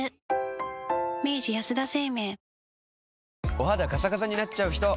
お肌カサカサになっちゃうひと？